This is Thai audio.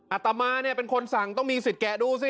อาตมาเนี่ยเป็นคนสั่งต้องมีสิทธิแกะดูสิ